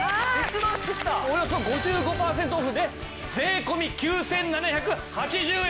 およそ５５パーセントオフで税込９７８０円でございます。